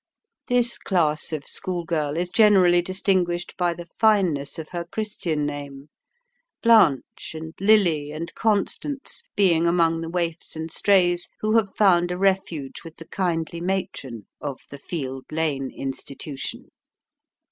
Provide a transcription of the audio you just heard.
This class of school girl is generally distinguished by the fineness of her Christian name, Blanche, and Lily, and Constance, being among the waifs and strays who have found a refuge with the kindly matron of the Field Lane Institution.